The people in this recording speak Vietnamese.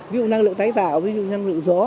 ví dụ năng lượng tái tạo ví dụ năng lượng gió